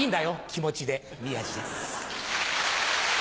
気持ちで宮治です。